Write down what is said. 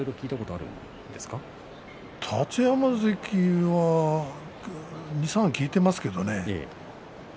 太刀山関は２、３聞いていますけどね。